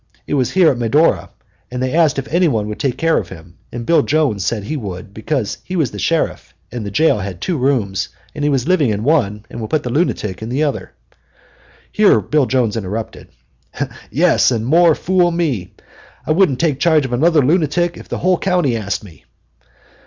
It was here at Medora, and they asked if anybody would take care of him, and Bill Jones said he would, because he was the sheriff and the jail had two rooms, and he was living in one and would put the lunatic in the other." Here Bill Jones interrupted: "Yes, and more fool me! I wouldn't take charge of another lunatic if the whole county asked me.